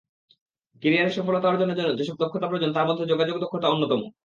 ক্যারিয়ারে সফলতা অর্জনের জন্য যেসব দক্ষতা প্রয়োজন, তার মধ্যে যোগাযোগ দক্ষতা অন্যতম।